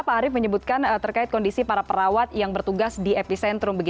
pak arief menyebutkan terkait kondisi para perawat yang bertugas di epicentrum